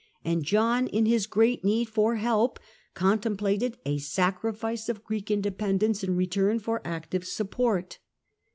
and John in his great need for help, contem plated a sacrifice of Greek independence in return for active support.